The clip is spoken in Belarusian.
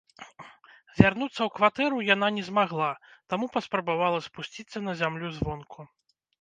Вярнуцца ў кватэру яна не змагла, таму паспрабавала спусціцца на зямлю звонку.